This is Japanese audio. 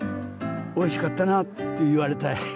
おいしかったなって言われたい。